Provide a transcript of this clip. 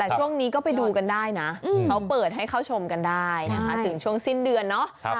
แต่ช่วงนี้ก็ไปดูกันได้นะเขาเปิดให้เข้าชมกันได้นะคะถึงช่วงสิ้นเดือนเนาะ